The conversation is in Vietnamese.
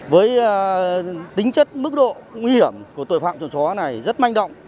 với tính chất mức độ nguy hiểm của tội phạm trụng xóa này rất manh động